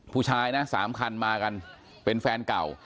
ผู้ชายนะ๓คันมากันเป็นแฟนเก่า